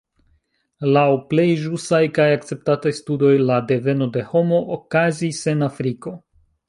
Laŭ plej ĵusaj kaj akceptataj studoj la deveno de homo okazis en Afriko.